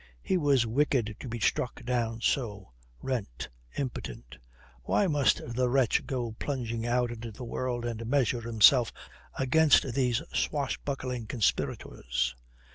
He was wicked to be struck down so, rent, impotent. Why must the wretch go plunging out into the world and measure himself against these swashbuckling conspirators?